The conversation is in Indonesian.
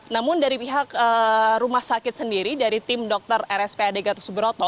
namun dari pihak rumah sakit sendiri dari tim dokter rspad gatot subroto sampai dengan saat ini masih belum bisa memulai